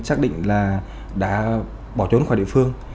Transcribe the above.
xác định là đã bỏ trốn khỏi địa phương